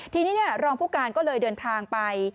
ทีนี้รองผู้การก็เลยเดินทางไป